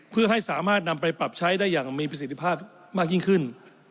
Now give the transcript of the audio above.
เพื่อให้สามารถนำไปปรับใช้ได้อย่างมีประสิทธิภาพมากยิ่งขึ้น